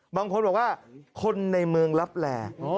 บางคนบอกว่าคนในเมืองลับแล